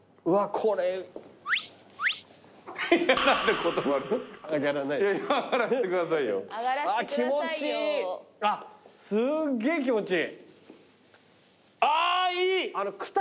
うわ気持ちいい！